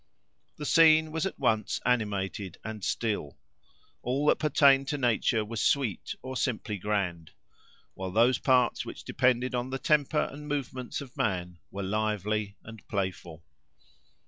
The scene was at once animated and still. All that pertained to nature was sweet, or simply grand; while those parts which depended on the temper and movements of man were lively and playful.